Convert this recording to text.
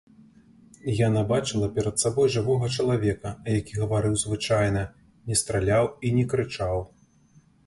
Яна бачыла перад сабой жывога чалавека, які гаварыў звычайна, не страляў і не крычаў.